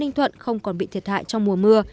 ninh thuận không còn bị thiệt hại trong mùa mưa